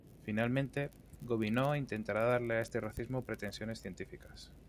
Finalmente, Gobineau intentará darle a este racismo pretensiones científicas.